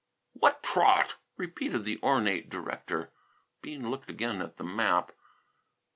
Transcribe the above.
"Wha' trawt!" repeated the ornate director. Bean looked again at the map.